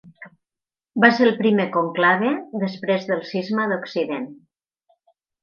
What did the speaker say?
Va ser el primer conclave després del Cisma d'Occident.